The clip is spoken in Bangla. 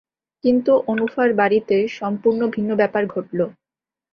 কিন্তু অনুফার বাড়িতে সম্পূর্ণ ভিন্ন ব্যাপার ঘটল।